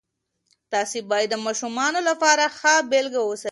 تاسې باید د ماشومانو لپاره ښه بیلګه اوسئ.